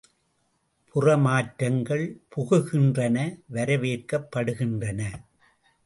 புறமாற்றங்கள் புகுகின்றன வரவேற்கப்படுகின்றன.